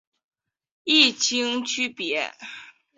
异腈区别。